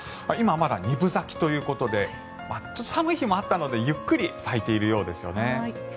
今、まだ二分咲きということで寒い日もあったのでゆっくり咲いているようですね。